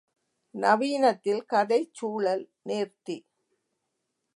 நவீனத்தில் கதைச் சூழல் நேர்த்தி.